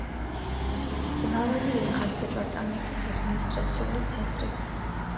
ლავალიეხას დეპარტამენტის ადმინისტრაციული ცენტრი.